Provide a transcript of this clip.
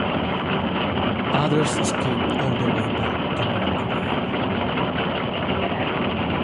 Others escaped all the way back to North Korea.